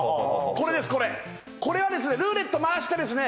これこれはですねルーレット回してですね